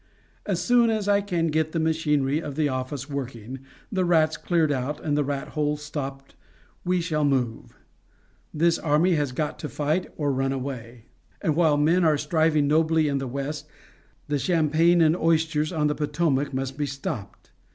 As soon as I can get the machinery of the office working, the rats cleared out, and the rat holes stopped we shall move. This army has got to fight or run away; and while men are striving nobly in the West, the champagne and oysters on the Potomac must be stopped.